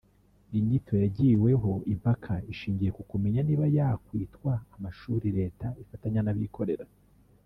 Inyito yagiweho impaka ishingiye ku kumenya niba yakwitwa amashuri Leta ifatanya n’abikorera